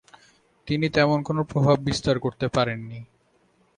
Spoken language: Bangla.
তিনি তেমন কোন প্রভাব বিস্তার করতে পারেননি।